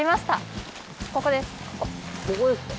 ここですか？